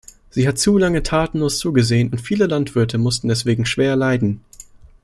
Sie hat zu lange tatenlos zugesehen, und viele Landwirte mussten deswegen schwer leiden.